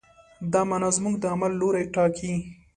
دا معنی زموږ د عمل لوری ټاکي.